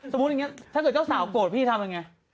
สมมุติเจ้าสาวกโกรธพี่ทำยาไง